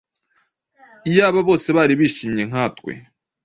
Iyaba bose bari bishimye nkatwe.